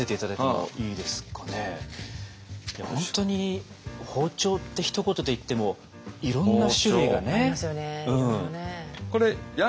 いや本当に包丁ってひと言で言ってもいろんな種類がね。ありますよねいろいろね。